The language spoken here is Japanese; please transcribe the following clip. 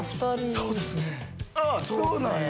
そうなんや！